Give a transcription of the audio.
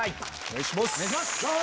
お願いします！